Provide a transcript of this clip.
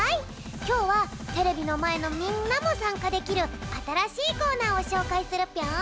きょうはテレビのまえのみんなもさんかできるあたらしいコーナーをしょうかいするぴょん！